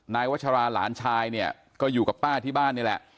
วัชราหลานชายเนี่ยก็อยู่กับป้าที่บ้านนี่แหละ